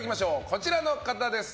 こちらの方です。